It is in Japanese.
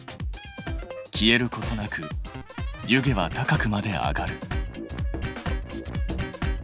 消えることなく湯気は高くまで上がる。